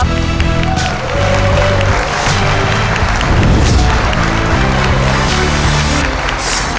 ขอบคุณครับ